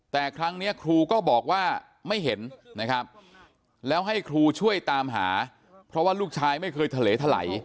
แต่ครั้งนี้ครูก็บอกว่าไม่เห็นนะครับแล้วให้ครูช่วยตามหาเพราะว่าลูกชายไม่เคยทะเลทะไหล